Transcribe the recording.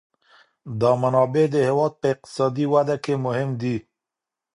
دا منابع د هېواد په اقتصادي وده کي مهم دي.